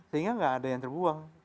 sehingga nggak ada yang terbuang